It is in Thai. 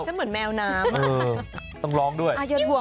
ฉันเหมือนแมวน้ำต้องร้องด้วย